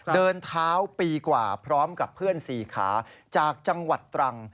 เดินเท้าปีกว่าพร้อมกับเพื่อน๔ขาจากจังหวัดตรัง